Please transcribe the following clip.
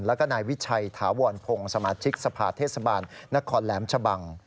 แล้วก็นายวิชัยถาวรพงศ์สมาชิกสภาเทศบาลนครแหลมชะบัง